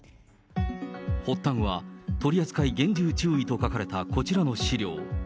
発端は、取扱厳重注意と書かれたこちらの資料。